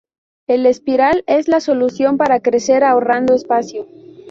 El espiral es la solución para crecer ahorrando espacio.